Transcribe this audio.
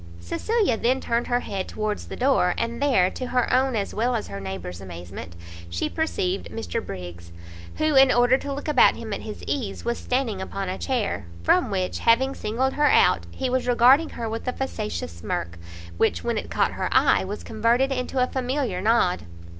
Cecilia then turned her head towards the door, and there, to her own as well as her neighbours' amazement, she perceived Mr Briggs! who, in order to look about him at his ease, was standing upon a chair, from which, having singled her out, he was regarding her with a facetious smirk, which, when it caught her eye, was converted into a familiar nod.